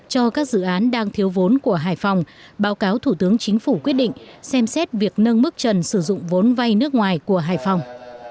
cho các dự án đang thiếu vốn của hải phòng báo cáo thủ tướng chính phủ quyết định xem xét việc nâng mức trần sử dụng vốn vay nước ngoài của hải phòng